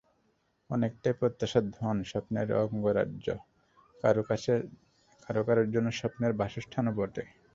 অনেকটাই প্রত্যাশার ধন, স্বপ্নের স্বর্গরাজ্য, কারো কারো জন্যে স্বপ্নের বাসস্থানও বটে।